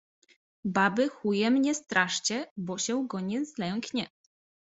Baby chujem nie straszcie, bo się go nie zlęknie.